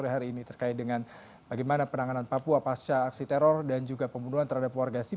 yang kemudian mengundang semacam etikat untuk kembali mewujudkan papua tanah damai